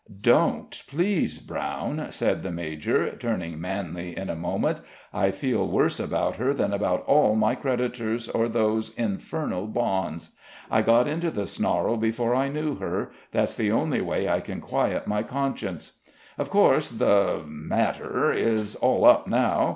"Don't, please, Brown," said the major, turning manly in a moment. "I feel worse about her than about all my creditors or those infernal bonds. I got into the snarl before I knew her; that's the only way I can quiet my conscience. Of course the matter is all up now.